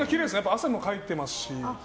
汗もかいてますし。